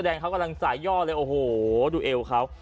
แดงเขากำลังสายย่อเลยโอ้โหดูเอวเขา